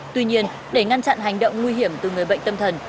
tuy nhiên để ngăn chặn hành động nguy hiểm từ người bệnh tâm thần